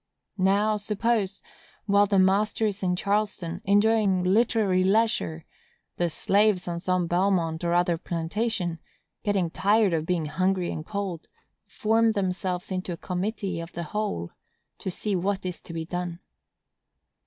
Now, suppose, while the master is in Charleston, enjoying literary leisure, the slaves on some Bellemont or other plantation, getting tired of being hungry and cold, form themselves into a committee of the whole, to see what is to be done.